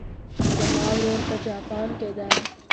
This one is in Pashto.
زما ورور په جاپان کې ده